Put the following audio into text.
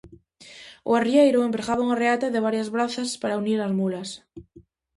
O arrieiro empregaba unha reata de varias brazas para unir as mulas.